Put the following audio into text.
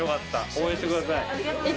応援してください。